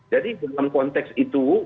jadi dalam konteks itu